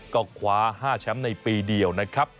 ก็คว้า๕แชมป์ในปีเดียวนะครับ